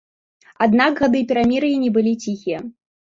Аднак гады перамір'я не былі ціхія.